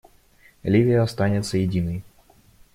Ливия останется единой.